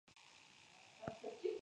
E en "Scooby-Doo!